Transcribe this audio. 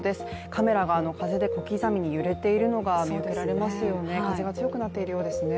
カメラが風で小刻みに揺れているのが分かりますね。